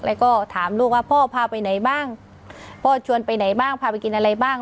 แล้วก็ถามลูกว่าพ่อพาไปไหนบ้างพ่อชวนไปไหนบ้างพาไปกินอะไรบ้าง